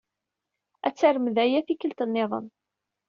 Ad tarmed aya tikkelt niḍen.